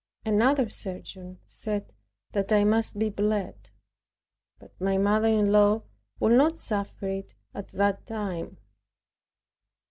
Another surgeon said that I must be bled; but my mother in law would not suffer it at that time.